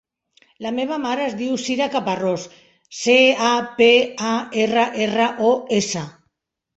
La meva mare es diu Cira Caparros: ce, a, pe, a, erra, erra, o, essa.